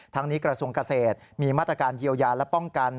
นี้กระทรวงเกษตรมีมาตรการเยียวยาและป้องกัน